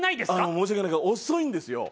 申し訳ないけど遅いんですよ。